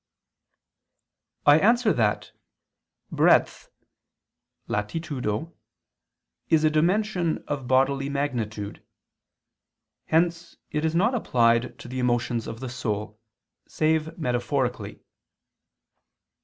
I answer that, Breadth (latitudo)is a dimension of bodily magnitude: hence it is not applied to the emotions of the soul, save metaphorically.